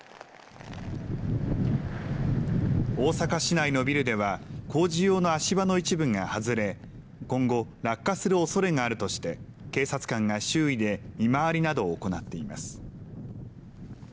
大阪市内のビルでは、工事用の足場の一部が外れ、今後、落下するおそれがあるとして、警察官が周囲で見回りなどを行っています。